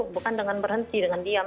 bukan dengan berhenti dengan diam